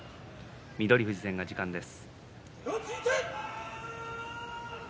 翠富士戦が時間です。